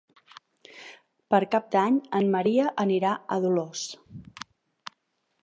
Per Cap d'Any en Maria anirà a Dolors.